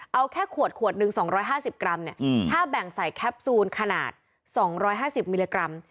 เอาแค่ขวดขวดหนึ่งสองร้อยห้าสิบกรัมเนี้ยอืมถ้าแบ่งใส่แคปซูลขนาดสองร้อยห้าสิบมิลลิกรัม